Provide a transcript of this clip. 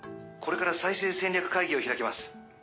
これから再生戦略会議を開きます。